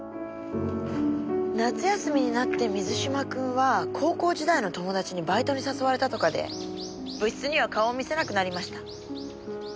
夏休みになって水嶋君は高校時代の友達にバイトに誘われたとかで部室には顔を見せなくなりました。